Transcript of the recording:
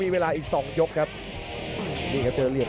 ขวางแขงขวาเจอเททิ้ง